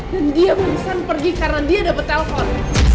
dan dia barusan pergi karena dia dapet telepon